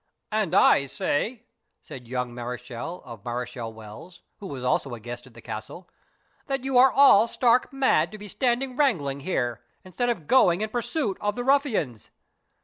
"And I say," said young Mareschal of Mareschal Wells, who was also a guest at the castle, "that you are all stark mad to be standing wrangling here, instead of going in pursuit of the ruffians."